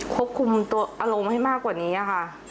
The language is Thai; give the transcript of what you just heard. ควบคุมตัวอารมณ์ให้มากกว่านี้ค่ะ